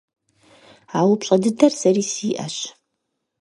А упщӏэ дыдэр сэри сиӏэщ.